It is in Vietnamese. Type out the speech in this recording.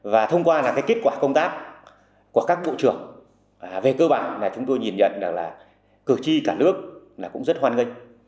và thông qua là cái kết quả công tác của các bộ trưởng về cơ bản là chúng tôi nhìn nhận là cử tri cả nước là cũng rất hoan nghênh